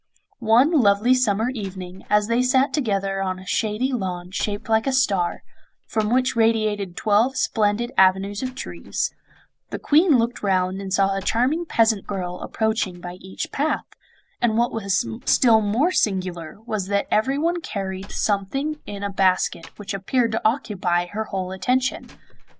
One lovely summer evening, as they sat together on a shady lawn shaped like a star, from which radiated twelve splendid avenues of trees, the Queen looked round and saw a charming peasant girl approaching by each path, and what was still more singular was that everyone carried something in a basket which appeared to occupy her whole attention.